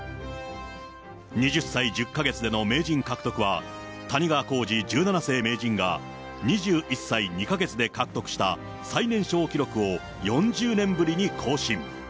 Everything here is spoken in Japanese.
２０歳１０か月での名人獲得は、谷川浩司十七世名人が２１歳２か月で獲得した最年少記録を４０年ぶりに更新。